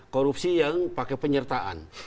korupsi yang pakai penyertaan